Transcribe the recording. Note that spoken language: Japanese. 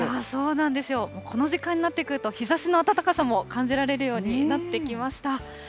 そうなんですよ、この時間になってくると、日ざしの暖かさも感じられるようになってきました。